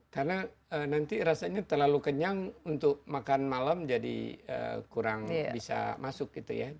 karena nanti rasanya terlalu kenyang untuk makan malam jadi kurang bisa masuk gitu ya